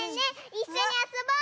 いっしょにあそぼ！